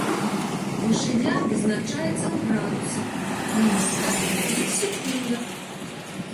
Вышыня вызначаецца ў градусах, мінутах і секундах.